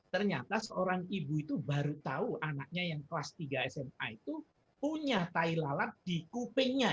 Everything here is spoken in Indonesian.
ternyata seorang ibu itu baru tahu anaknya yang kelas tiga sma itu punya tai lalat di kupingnya